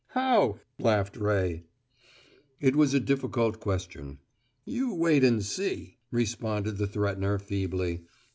"How?" laughed Ray. It was a difficult question. "You wait and see," responded the threatener, feebly.